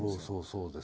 そうそう。